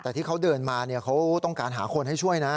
แต่ที่เขาเดินมาเขาต้องการหาคนให้ช่วยนะ